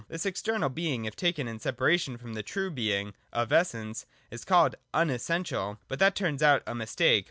This external Being, if taken in separation from the true Being (of Essence), is called the Unessen tial. But that turns out a mistake.